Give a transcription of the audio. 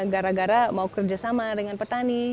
gara gara mau kerjasama dengan petani